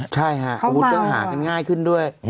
ใช่ค่ะกระมูลต้องหากันง่ายขึ้นด้วย